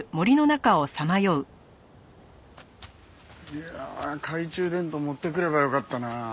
いやあ懐中電灯持ってくればよかったなあ。